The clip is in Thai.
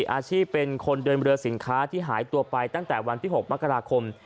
อาชีพเป็นคนเดินเรือสินค้าที่หายตัวไปตั้งแต่วันที่๖มกราคม